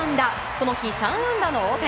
この日３安打の大谷。